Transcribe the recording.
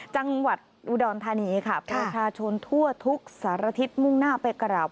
จังหวัดอุดรธานีค่ะประชาชนทั่วทุกสารทิศมุ่งหน้าไปกราบ